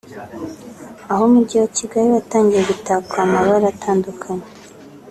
aho umujyi wa Kigali watangiye gutakwa amabara atandukanye